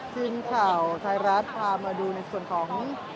ทีมข่าวไทยรัฐพามาดูในส่วนของ